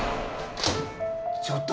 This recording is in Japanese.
ちょっと！